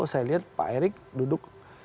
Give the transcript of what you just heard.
saya lihat pak erick duduk